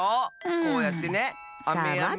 こうやってねあめやめ。